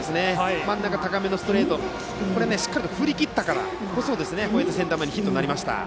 真ん中高めのストレートですがしっかりと振り切ったからこそこうしてセンター前ヒットになりました。